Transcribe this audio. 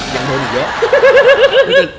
ยังโดนอยู่เยอะ